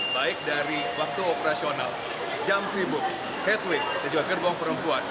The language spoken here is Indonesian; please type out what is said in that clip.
baik dari waktu operasional jam sibuk headway dan juga gerbong perempuan